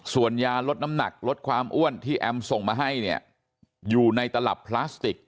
ส่วนยาลดน้ำหนักลดความอ้วนที่แอมส่งมาให้เนี่ยอยู่ในตลับพลาสติก